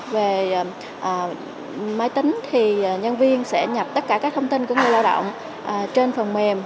về máy tính thì nhân viên sẽ nhập tất cả các thông tin của người lao động trên phần mềm